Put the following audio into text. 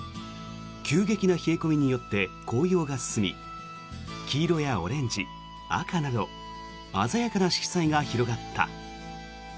急激な冷え込みによって紅葉が進み黄色やオレンジ、赤など鮮やかな色彩が広がった。